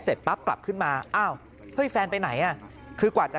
ปั๊บกลับขึ้นมาอ้าวเฮ้ยแฟนไปไหนอ่ะคือกว่าจะ